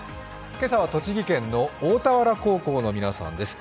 今朝は栃木県の大田原高校の皆さんです。